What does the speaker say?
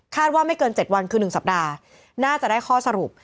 ว่าไม่เกิน๗วันคือ๑สัปดาห์น่าจะได้ข้อสรุป